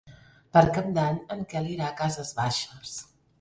Per Cap d'Any en Quel irà a Cases Baixes.